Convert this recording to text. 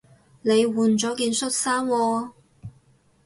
你換咗件恤衫喎